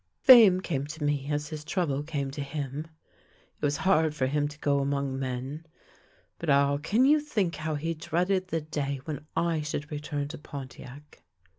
" Fame came to me as his trouble came to him. It was hard for him to go among men, but, ah, can you think how he dreaded the day when I should return to Pontiac!